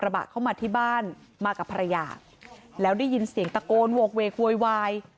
บะเข้ามาที่บ้านมากับภรรยาแล้วได้ยินเสียงตะโกนโหกเวกโวยวาย